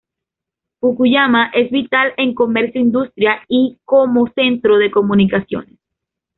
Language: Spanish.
Fukuyama es vital en comercio, industria y como centro de comunicaciones.